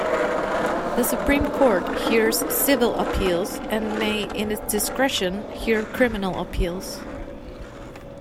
The Supreme Court hears civil appeals and may in its discretion hear criminal appeals.